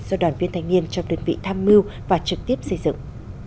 do đoàn viên thanh niên trong đơn vị tham mưu và trực tiếp xây dựng